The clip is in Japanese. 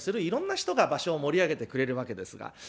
いろんな人が場所を盛り上げてくれるわけですが。